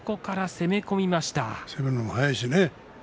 攻めるのが早いしね。